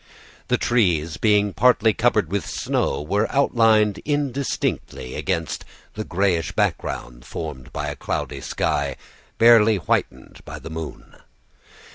The trees, being partly covered with snow, were outlined indistinctly against the grayish background formed by a cloudy sky, barely whitened by the moon.